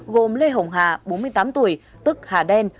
gồm lê hồng hà bốn mươi tám tuổi tức hà đen